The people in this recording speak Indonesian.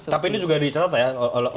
tapi ini juga dicatat ya oleh pdb